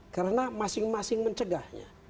karena masing masing mencegahnya